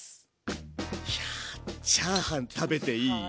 いやチャーハン食べていい？